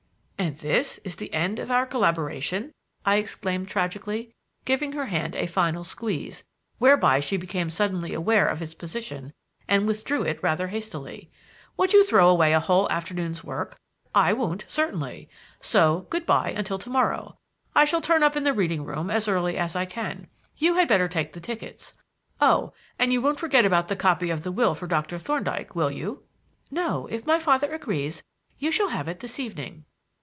"And this is the end of our collaboration?" I exclaimed tragically, giving her hand a final squeeze (whereby she became suddenly aware of its position, and withdrew it rather hastily). "Would you throw away a whole afternoon's work? I won't certainly; so, good by until to morrow. I shall turn up in the reading room as early as I can. You had better take the tickets. Oh, and you won't forget about the copy of the will for Doctor Thorndyke, will you?" "No; if my father agrees, you shall have it this evening."